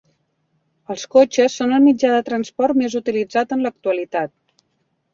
Els cotxes són el mitjà de transport més utilitzat en l'actualitat